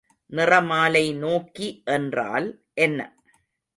நிறமாலை நோக்கி என்றால் என்ன?